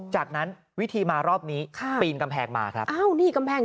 จากนั้นวิธีมารอบนี้ปรีนกำแพงมานี้เลย